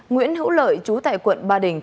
nguyễn hữu lợi chú tại quận ba đình